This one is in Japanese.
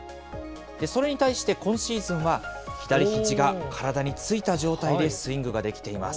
それに対して、今シーズンは、左ひじが体についた状態でスイングができています。